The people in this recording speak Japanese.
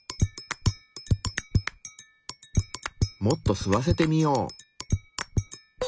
もっと吸わせてみよう。